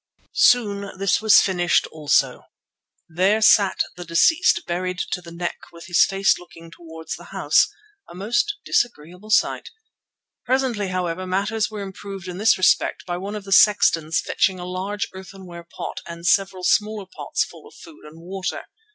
Soon this was finished also. There sat the deceased buried to the neck with his face looking towards the house, a most disagreeable sight. Presently, however, matters were improved in this respect by one of the sextons fetching a large earthenware pot and several smaller pots full of food and water.